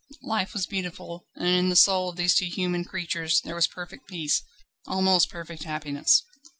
Life was beautiful, and in the soul of these two human creatures there was perfect peace, almost perfect happiness.